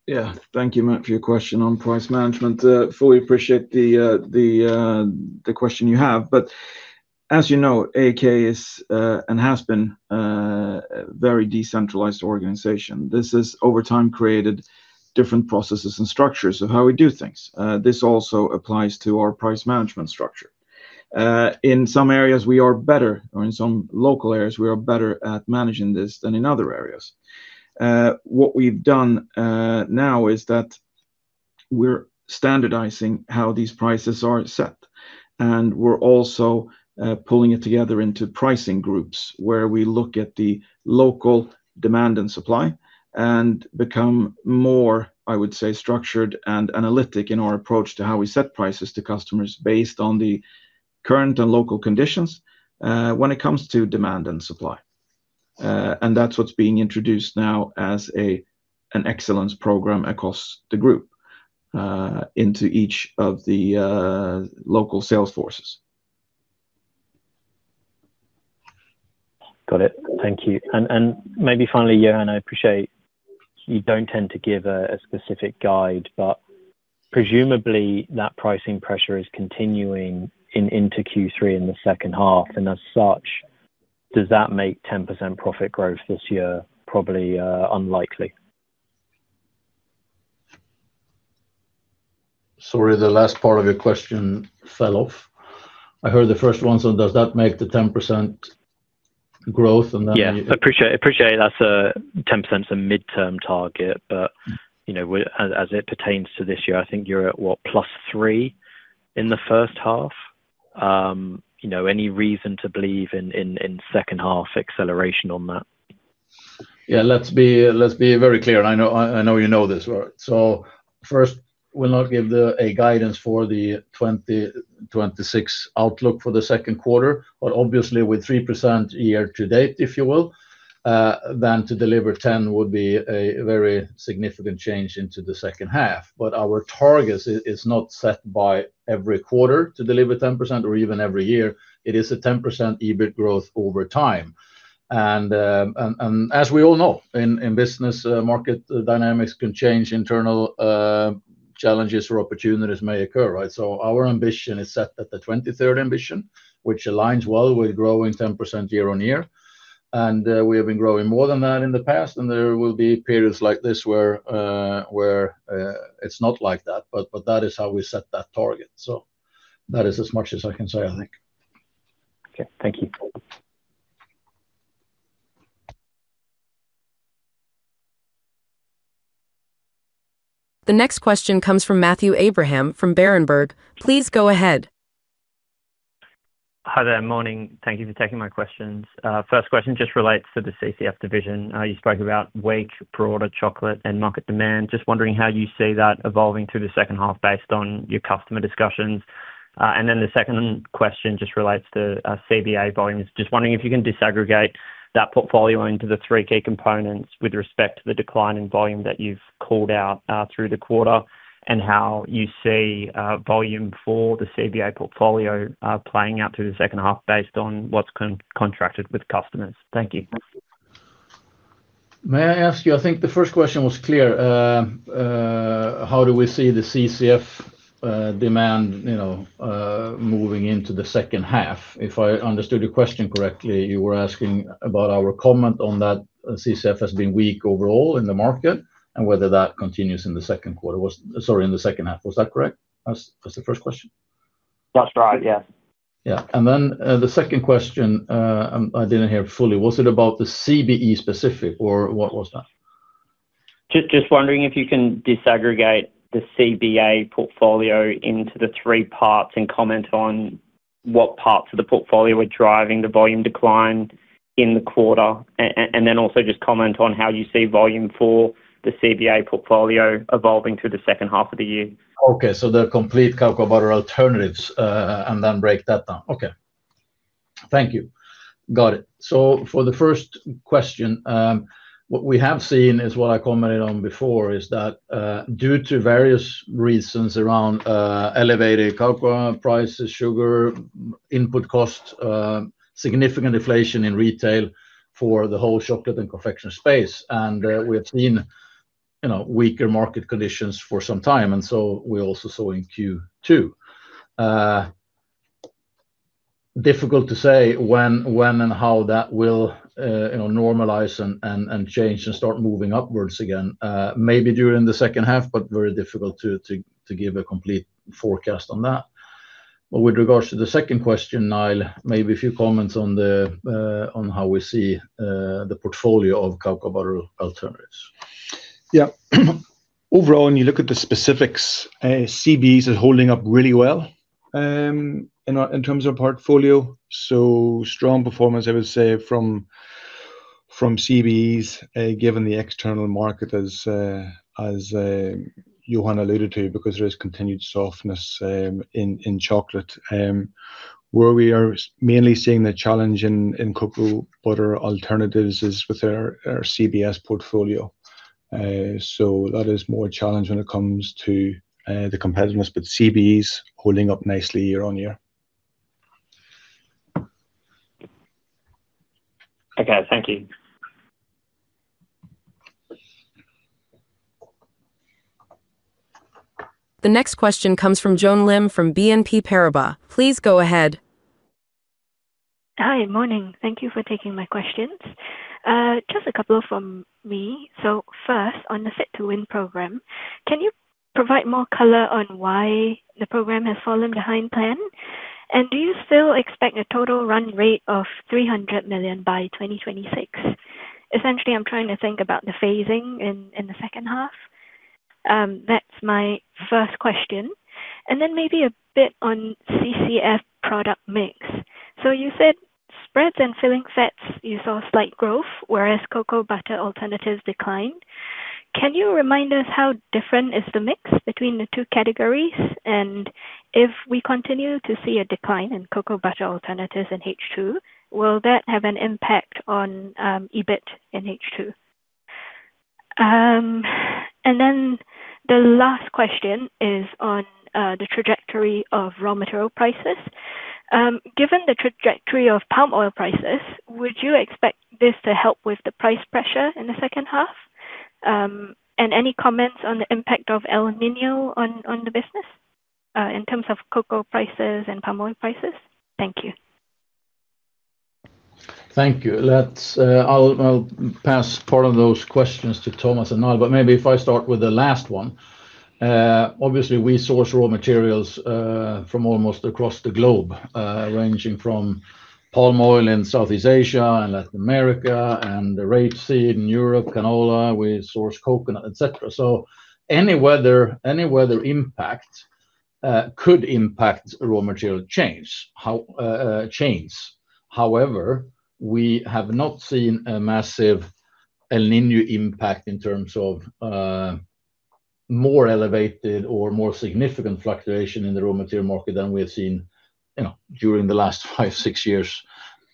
D: Yeah. Thank you, Matt, for your question on price management. Fully appreciate the question you have. As you know, AAK is and has been a very decentralized organization. This has, over time, created different processes and structures of how we do things. This also applies to our price management structure. In some areas we are better, or in some local areas, we are better at managing this than in other areas. What we've done now is that we're standardizing how these prices are set, and we're also pulling it together into pricing groups where we look at the local demand and supply and become more, I would say, structured and analytic in our approach to how we set prices to customers based on the current and local conditions when it comes to demand and supply. That's what's being introduced now as an excellence program across the group into each of the local sales forces.
I: Got it. Thank you. Maybe finally, Johan, I appreciate you don't tend to give a specific guide, but presumably that pricing pressure is continuing into Q3 in the second half. As such, does that make 10% profit growth this year probably unlikely?
B: Sorry, the last part of your question fell off. I heard the first one. Does that make the 10% growth?
I: Appreciate that 10%'s a midterm target. As it pertains to this year, I think you're at what? +3 in the first half. Any reason to believe in second half acceleration on that?
B: Let's be very clear. I know you know this. First, we'll not give a guidance for the 2026 outlook for the second quarter, but obviously with 3% year to date, if you will, to deliver 10% would be a very significant change into the second half. Our target is not set by every quarter to deliver 10%, or even every year. It is a 10% EBIT growth over time. As we all know, in business, market dynamics can change, internal challenges or opportunities may occur. Our ambition is set at the 2030 ambition, which aligns well with growing 10% year-on-year. We have been growing more than that in the past, and there will be periods like this where it's not like that. That is how we set that target. That is as much as I can say, I think.
I: Okay. Thank you.
A: The next question comes from Matthew Abraham from Berenberg. Please go ahead.
J: Hi there. Morning. Thank you for taking my questions. First question just relates to the CCF division. You spoke about weak broader chocolate and market demand. Just wondering how you see that evolving through the second half based on your customer discussions. The second question just relates to CBA volumes. Just wondering if you can disaggregate that portfolio into the three key components with respect to the decline in volume that you've called out through the quarter, and how you see volume for the CBA portfolio playing out through the second half based on what's contracted with customers. Thank you.
B: May I ask you, I think the first question was clear. How do we see the CCF demand moving into the second half? If I understood your question correctly, you were asking about our comment on that CCF has been weak overall in the market and whether that continues in the second quarter. Sorry, in the second half. Was that correct as the first question?
J: That's right, yes.
B: Yeah. Then, the second question, I didn't hear it fully. Was it about the CBE specific or what was that?
J: Just wondering if you can disaggregate the CBA portfolio into the three parts and comment on what parts of the portfolio are driving the volume decline in the quarter. Then also just comment on how you see volume for the CBA portfolio evolving through the second half of the year.
B: Okay. The complete cocoa butter alternatives, then break that down. Okay. Thank you. Got it. For the first question, what we have seen is what I commented on before, is that due to various reasons around elevated cocoa prices, sugar input costs, significant inflation in retail for the whole chocolate and confection space. We have seen weaker market conditions for some time, and so we also saw in Q2. Difficult to say when and how that will normalize and change and start moving upwards again. Maybe during the second half, but very difficult to give a complete forecast on that. With regards to the second question, Niall, maybe a few comments on how we see the portfolio of cocoa butter alternatives.
C: Overall, when you look at the specifics, CBEs is holding up really well in terms of portfolio. Strong performance, I would say, from CBEs, given the external market as Johan alluded to, there is continued softness in chocolate. Where we are mainly seeing the challenge in cocoa butter alternatives is with our CBS portfolio. That is more a challenge when it comes to the competitiveness. CBEs holding up nicely year-on-year.
J: Thank you.
A: The next question comes from Joan Lim from BNP Paribas. Please go ahead.
K: Hi. Morning. Thank you for taking my questions. Just a couple from me. First, on the Fit to Win program, can you provide more color on why the program has fallen behind plan? Do you still expect a total run rate of 300 million by 2026? Essentially, I am trying to think about the phasing in the second half. That's my first question. Maybe a bit on CCF product mix. You said spreads and filling fats, you saw slight growth, whereas cocoa butter alternatives declined. Can you remind us how different is the mix between the two categories? If we continue to see a decline in cocoa butter alternatives in H2, will that have an impact on EBIT in H2? The last question is on the trajectory of raw material prices. Given the trajectory of palm oil prices, would you expect this to help with the price pressure in the second half? Any comments on the impact of El Niño on the business, in terms of cocoa prices and palm oil prices? Thank you.
B: Thank you. I will pass part of those questions to Tomas and Niall. Maybe if I start with the last one. Obviously, we source raw materials from almost across the globe, ranging from palm oil in Southeast Asia and Latin America, rapeseed in Europe, canola. We source coconut, et cetera. Any weather impact could impact raw material change. However, we have not seen a massive El Niño impact in terms of more elevated or more significant fluctuation in the raw material market than we have seen during the last five, six years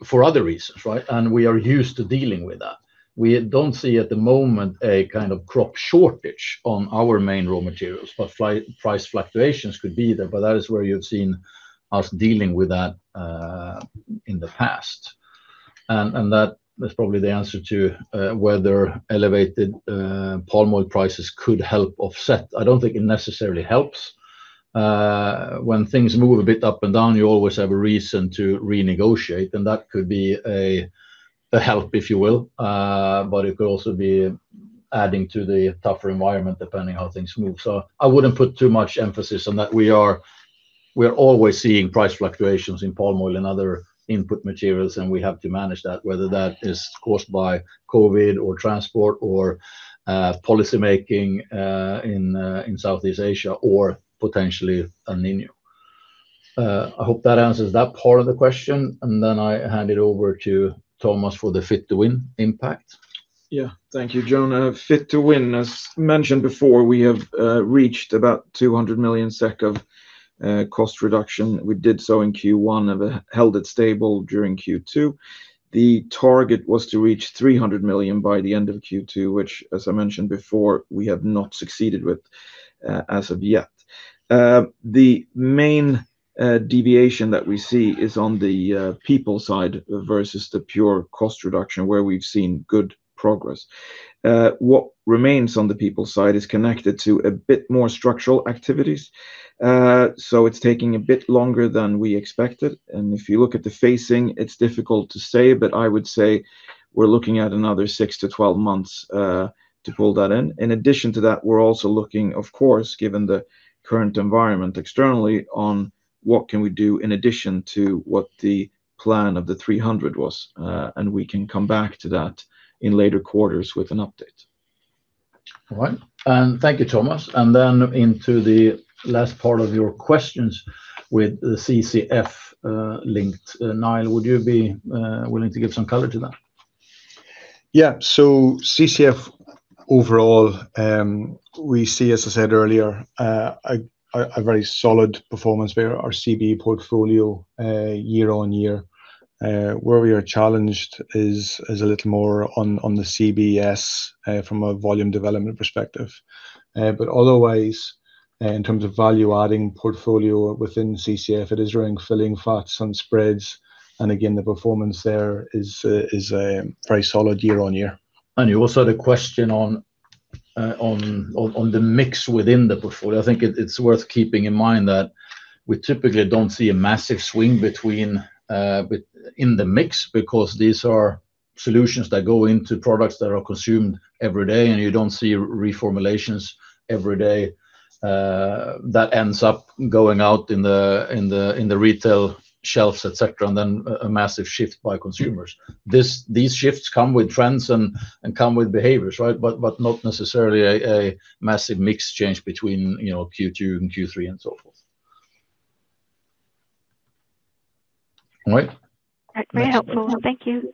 B: for other reasons, right? We are used to dealing with that. We don't see at the moment a kind of crop shortage on our main raw materials, but price fluctuations could be there, but that is where you've seen us dealing with that in the past. That's probably the answer to whether elevated palm oil prices could help offset. I don't think it necessarily helps. When things move a bit up and down, you always have a reason to renegotiate, and that could be a help, if you will. It could also be adding to the tougher environment depending how things move. I wouldn't put too much emphasis on that. We are always seeing price fluctuations in palm oil and other input materials, and we have to manage that, whether that is caused by COVID or transport or policymaking in Southeast Asia or potentially El Niño. I hope that answers that part of the question, then I hand it over to Tomas for the Fit to Win impact.
D: Yeah. Thank you, Joan. Fit to Win, as mentioned before, we have reached about 200 million SEK of cost reduction. We did so in Q1 and held it stable during Q2. The target was to reach 300 million by the end of Q2, which, as I mentioned before, we have not succeeded with as of yet. The main deviation that we see is on the people side versus the pure cost reduction, where we've seen good progress. What remains on the people side is connected to a bit more structural activities. It's taking a bit longer than we expected. If you look at the phasing, it's difficult to say, but I would say we're looking at another six to 12 months to pull that in. In addition to that, we're also looking, of course, given the current environment externally on what can we do in addition to what the plan of the 300 was, we can come back to that in later quarters with an update.
B: All right. Thank you, Tomas. Then into the last part of your questions with the CCF linked. Niall, would you be willing to give some color to that?
C: Yeah. CCF overall, we see, as I said earlier, a very solid performance via our CBE portfolio year-on-year. Where we are challenged is a little more on the CBS from a volume development perspective. But otherwise, in terms of value-adding portfolio within CCF, it is around filling fats and spreads, and again, the performance there is very solid year-on-year.
B: You also had a question on the mix within the portfolio. I think it's worth keeping in mind that we typically don't see a massive swing in the mix because these are solutions that go into products that are consumed every day and you don't see reformulations every day that ends up going out in the retail shelves, et cetera, and then a massive shift by consumers. These shifts come with trends and come with behaviors, right? Not necessarily a massive mix change between Q2 and Q3 and so forth. All right.
K: Very helpful. Thank you.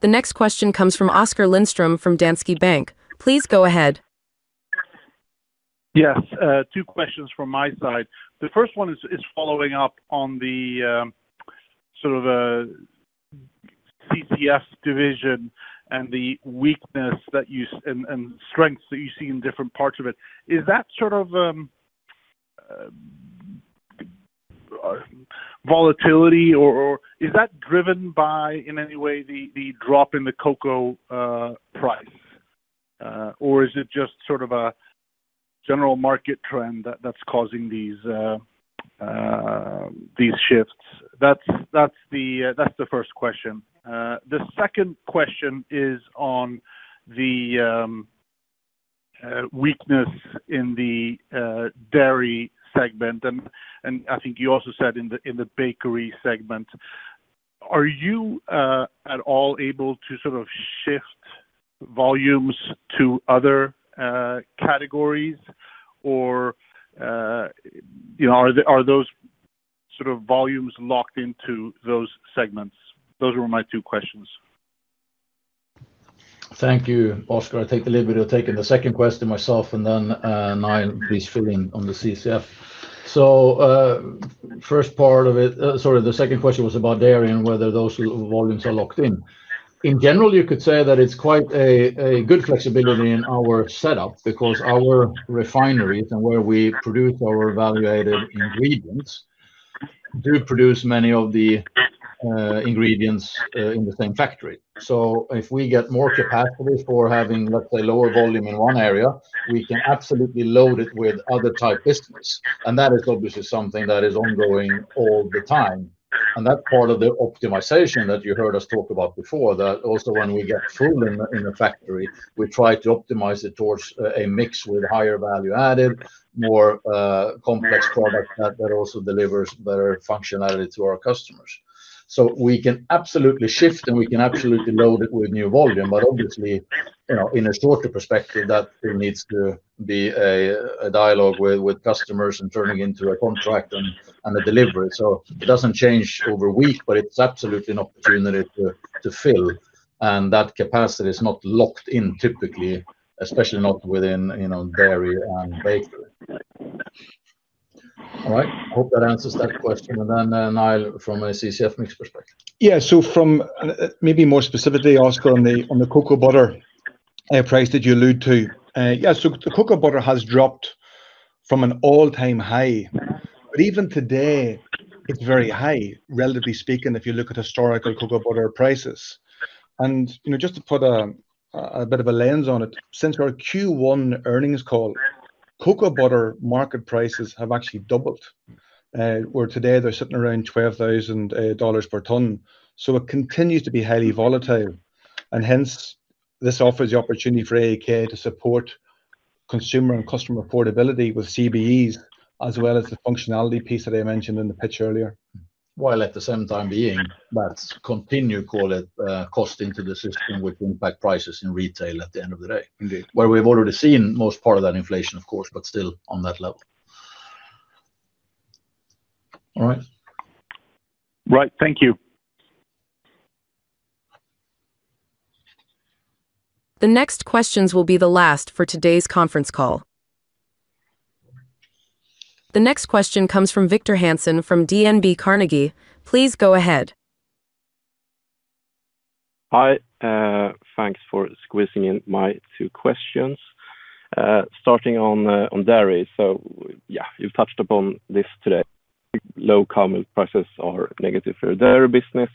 A: The next question comes from Oskar Lindström from Danske Bank. Please go ahead.
L: Yes. Two questions from my side. The first one is following up on the sort of CCF division and the weakness and strengths that you see in different parts of it. Is that sort of volatility, or is that driven by, in any way, the drop in the cocoa price? Or is it just sort of a general market trend that's causing these shifts? That's the first question. The second question is on the weakness in the dairy segment and I think you also said in the bakery segment. Are you at all able to sort of shift volumes to other categories or are those sort of volumes locked into those segments? Those were my two questions.
B: Thank you, Oskar. I think a little bit of taking the second question myself and then Niall please fill in on the CCF. The second question was about dairy and whether those volumes are locked in. In general, you could say that it's quite a good flexibility in our setup because our refineries and where we produce our value-added ingredients do produce many of the ingredients in the same factory. If we get more capacity for having, let's say, lower volume in one area, we can absolutely load it with other type business. That is obviously something that is ongoing all the time. That part of the optimization that you heard us talk about before, that also when we get full in a factory, we try to optimize it towards a mix with higher value added, more complex product that also delivers better functionality to our customers. We can absolutely shift and we can absolutely load it with new volume. Obviously, in a shorter perspective, that needs to be a dialogue with customers and turning into a contract and a delivery. It doesn't change over week, but it's absolutely an opportunity to fill. That capacity is not locked in typically, especially not within dairy and bakery. All right. Hope that answers that question. Then Niall from a CCF mix perspective.
C: Yeah. From, maybe more specifically, Oskar, on the cocoa butter price that you allude to. The cocoa butter has dropped from an all-time high, but even today it's very high, relatively speaking, if you look at historical cocoa butter prices. Just to put a bit of a lens on it, since our Q1 earnings call, cocoa butter market prices have actually doubled, where today they're sitting around $12,000 per ton. It continues to be highly volatile and hence this offers the opportunity for AAK to support consumer and customer affordability with CBEs, as well as the functionality piece that I mentioned in the pitch earlier.
B: While at the same time being that continue call it cost into the system, which impact prices in retail at the end of the day.
C: Indeed.
B: Where we've already seen most part of that inflation, of course, but still on that level. All right.
L: Right. Thank you.
A: The next questions will be the last for today's conference call. The next question comes from Victor Hansen from DNB Carnegie. Please go ahead.
M: Hi. Thanks for squeezing in my two questions. Starting on dairy. Yeah, you've touched upon this today. Low cow milk prices are negative for your dairy business.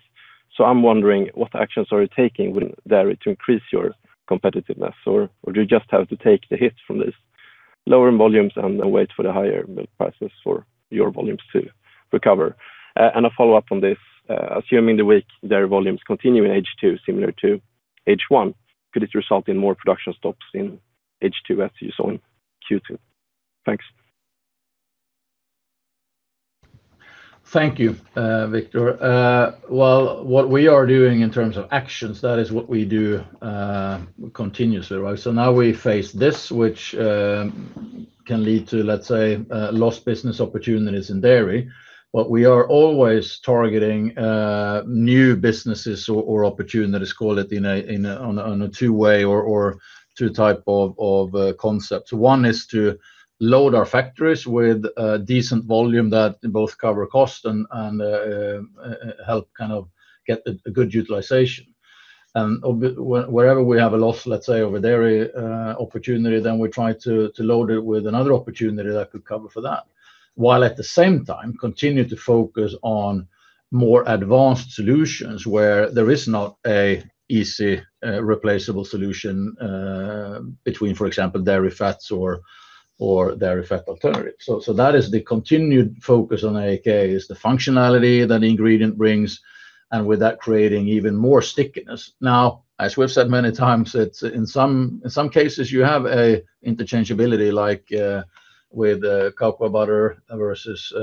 M: I'm wondering what actions are you taking with dairy to increase your competitiveness or do you just have to take the hit from this, lower volumes and wait for the higher milk prices for your volumes to recover? A follow-up on this. Assuming the weak dairy volumes continue in H2, similar to H1, could it result in more production stops in H2 as you saw in Q2? Thanks.
B: Thank you, Victor. Well, what we are doing in terms of actions, that is what we do continuously, right? Now we face this, which can lead to, let's say, lost business opportunities in dairy. We are always targeting new businesses or opportunities, call it, on a two-way or two type of concept. One is to load our factories with decent volume that both cover cost and help kind of get a good utilization. Wherever we have a loss, let's say over dairy opportunity, then we try to load it with another opportunity that could cover for that. While at the same time continue to focus on more advanced solutions where there is not a easy replaceable solution between, for example, dairy fats or dairy fat alternatives. That is the continued focus on AAK, is the functionality that ingredient brings, and with that creating even more stickiness. Now, as we've said many times, in some cases you have a interchangeability, like with cocoa butter versus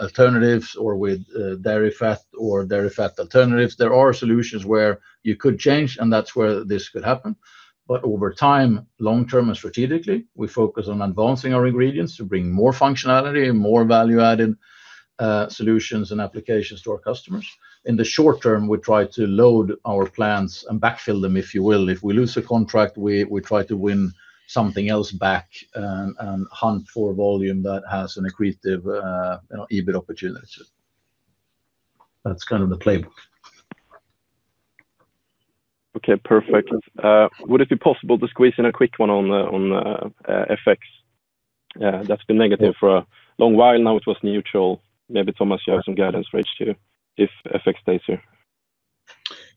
B: alternatives or with dairy fat or dairy fat alternatives. There are solutions where you could change, and that's where this could happen. Over time, long term and strategically, we focus on advancing our ingredients to bring more functionality and more value-added solutions and applications to our customers. In the short term, we try to load our plans and backfill them, if you will. If we lose a contract, we try to win something else back and hunt for volume that has an accretive EBIT opportunity. That's the playbook.
M: Okay, perfect. Would it be possible to squeeze in a quick one on the FX? That's been negative for a long while now. It was neutral. Maybe, Tomas, you have some guidance for H2 if FX stays here.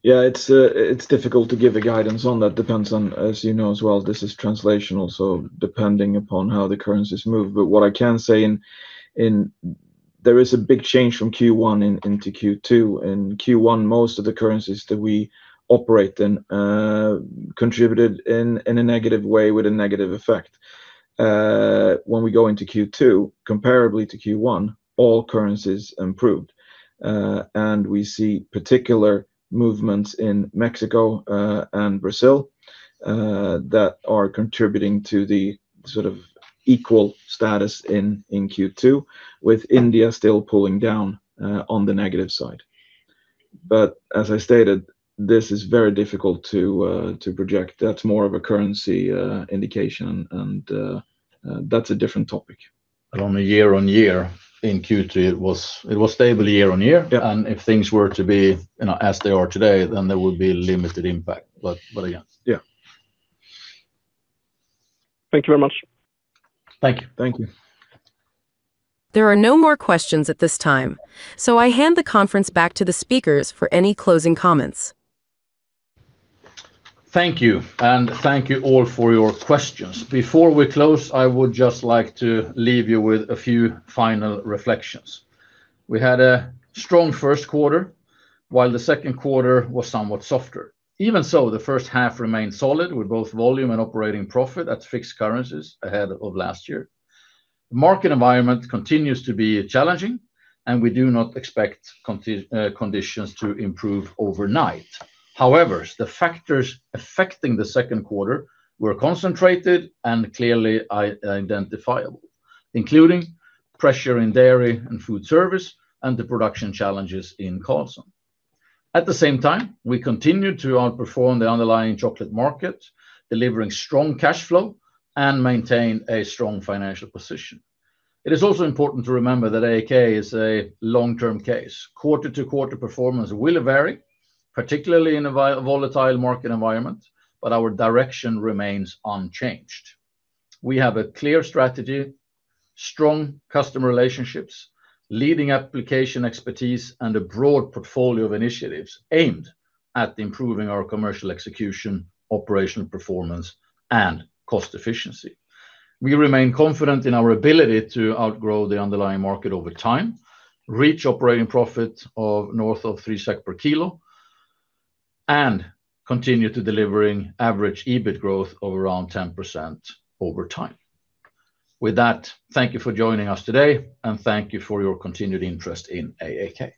D: Yeah, it's difficult to give a guidance on that. Depends on, as you know as well, this is translational, depending upon how the currencies move. What I can say, there is a big change from Q1 into Q2. In Q1, most of the currencies that we operate in contributed in a negative way with a negative effect. When we go into Q2, comparably to Q1, all currencies improved. We see particular movements in Mexico and Brazil that are contributing to the equal status in Q2, with India still pulling down on the negative side. As I stated, this is very difficult to project. That's more of a currency indication, and that's a different topic.
B: On the year-over-year, in Q3, it was stable year-over-year. If things were to be as they are today, then there would be limited impact.
M: Thank you very much.
B: Thank you.
D: Thank you.
A: There are no more questions at this time. I hand the conference back to the speakers for any closing comments.
B: Thank you. Thank you all for your questions. Before we close, I would just like to leave you with a few final reflections. We had a strong first quarter, while the second quarter was somewhat softer. The first half remained solid, with both volume and operating profit at fixed currencies ahead of last year. The market environment continues to be challenging. We do not expect conditions to improve overnight. The factors affecting the second quarter were concentrated and clearly identifiable, including pressure in dairy and food service and the production challenges in Karlshamn. At the same time, we continue to outperform the underlying chocolate market, delivering strong cash flow, and maintain a strong financial position. It is also important to remember that AAK is a long-term case. Quarter-to-quarter performance will vary, particularly in a volatile market environment. Our direction remains unchanged. We have a clear strategy, strong customer relationships, leading application expertise, and a broad portfolio of initiatives aimed at improving our commercial execution, operational performance, and cost efficiency. We remain confident in our ability to outgrow the underlying market over time, reach operating profit of north of three SEK per kilo. We continue to delivering average EBIT growth of around 10% over time. With that, thank you for joining us today. Thank you for your continued interest in AAK.